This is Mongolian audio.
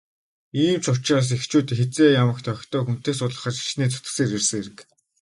Ийм ч учраас эхчүүд хэзээ ямагт охидоо хүнтэй суулгахаар хичээн зүтгэсээр ирсэн хэрэг.